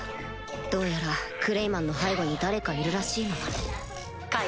どうやらクレイマンの背後に誰かいるらしいな解。